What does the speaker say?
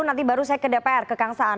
nanti baru saya ke dpr ke kang saan